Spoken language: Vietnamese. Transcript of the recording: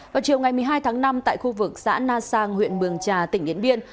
vào chiều ngày một mươi hai tháng năm tại khu vực xã na sang huyện mường trà tỉnh điện biên